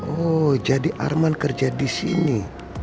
oh jadi arman kerja di sini